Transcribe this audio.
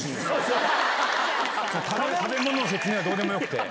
食べ物の説明はどうでもよくて。